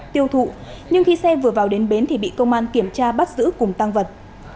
tiêu thụ nhưng khi xe vừa vào đến bến thì bị công an kiểm tra bắt giữ cùng tăng vật